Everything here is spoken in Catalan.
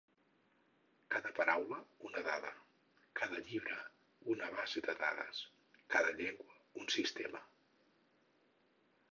Cada paraula, una dada; cada llibre, una base de dades; cada llengua, un sistema.